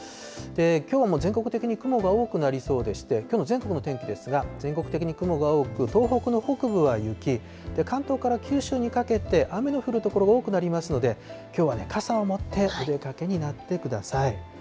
きょうも全国的に雲が多くなりそうでして、きょうの全国の天気ですが、全国的に雲が多く、東北の北部は雪、関東から九州にかけて雨の降る所が多くなりますので、きょうはね、傘を持ってお出かけになってください。